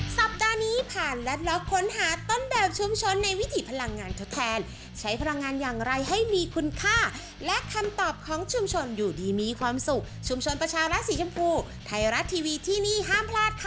สัปดาห์นี้ผ่านลัดล็อกค้นหาต้นแบบชุมชนในวิถีพลังงานทดแทนใช้พลังงานอย่างไรให้มีคุณค่าและคำตอบของชุมชนอยู่ดีมีความสุขชุมชนประชารัฐสีชมพูไทยรัฐทีวีที่นี่ห้ามพลาดค่ะ